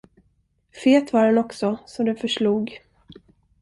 Fet var han också, så det förslog.